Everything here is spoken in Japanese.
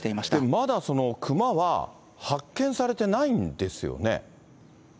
まだその熊は発見されてないんですよね。